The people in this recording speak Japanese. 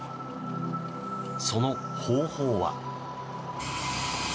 その方法は。